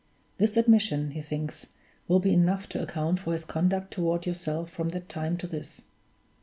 This admission, he thinks, will be enough to account for his conduct toward yourself from that time to this.